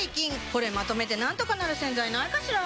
これまとめてなんとかなる洗剤ないかしら？